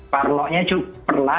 parloknya cukup perlah